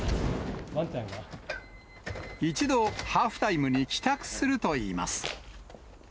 一度、ハーフタイムに帰宅するといいます。